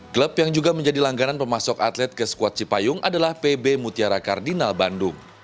klub yang juga menjadi langganan pemasok atlet ke squad cipayung adalah pb mutiara kardinal bandung